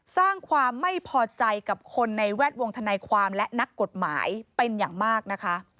สร้างความไม่พอใจกับคนในแวดวงธนายความและนักกฎหมายเป็นอย่างมากนะคะ